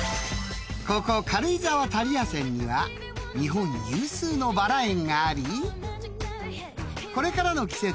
［ここ軽井沢タリアセンには日本有数のバラ園がありこれからの季節